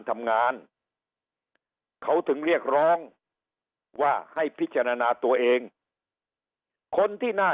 ทำงานเขาถึงเรียกร้องว่าให้พิจารณาตัวเองคนที่น่า